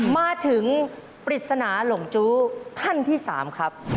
มาถึงปริศนาหลงจู้ท่านที่๓ครับ